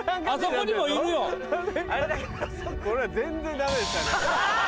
これは全然ダメでしたね。